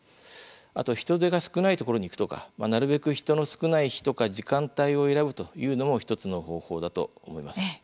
あと人出が少ないところに行くとかなるべく人の少ない日とか時間帯を選ぶというのも１つの方法だと思います。